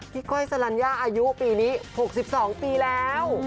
ก้อยสลัญญาอายุปีนี้๖๒ปีแล้ว